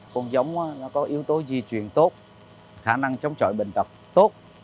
con giống nó có yếu tố di truyền tốt khả năng chống chọi bệnh tật tốt